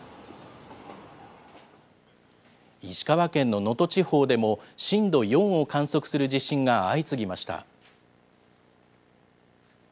石川県の能登地方でも、震度４を観測する地震が相次ぎました。